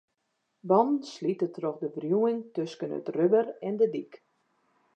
Bannen slite troch de wriuwing tusken it rubber en de dyk.